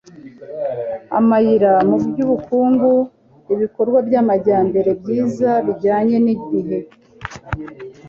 amayira mu by'ubukungu, ibikorwa by'amajyambere byiza bijyanye n'ibihe